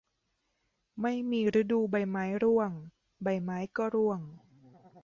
ไม่มีฤดูใบไม้ร่วง ใบไม้ก็ร่วง